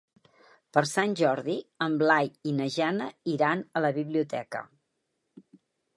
Per Sant Jordi en Blai i na Jana iran a la biblioteca.